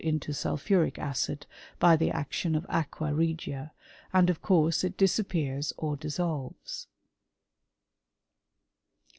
into sulphuric acid by the action of aqua regia,' and "Tf course it disappears or dissolves.